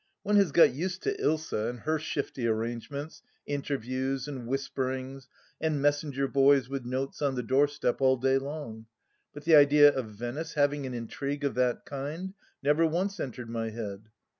One has got used to Ilsa and her shifty arrangements, inter views, and whisperings, and messenger boys with notes on the doorstep all day long, but the idea of Venice having an intrigue of that kind never once entered my head.